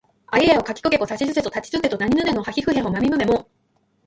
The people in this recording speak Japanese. あいうえおかきくけこさしすせそたちつてとなにぬねのはひふへほまみむめも